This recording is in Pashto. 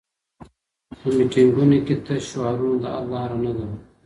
په میټینګونو کي تش شعارونه د حل لاره نه ده.